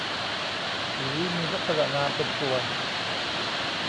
ผีมีลักษณะนามเป็นตัว